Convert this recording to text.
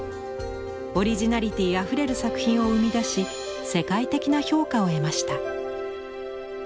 オリジナリティーあふれる作品を生み出し世界的な評価を得ました。